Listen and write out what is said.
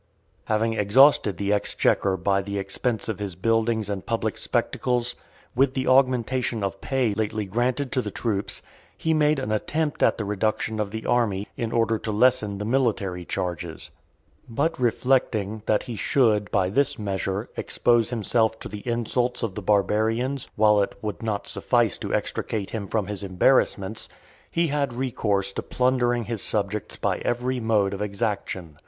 Having exhausted the exchequer by the expense of his buildings and public spectacles, with the augmentation of pay lately granted to the troops, he made an attempt at the reduction of the army, in order to lessen the military charges. But reflecting, that he should, by this measure, expose himself to the insults of the barbarians, while it would not suffice to extricate him from his embarrassments, he had recourse to plundering his subjects by every mode of exaction.